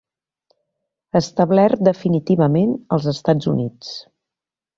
Establert definitivament als Estats Units.